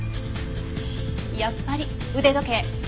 やっぱり腕時計。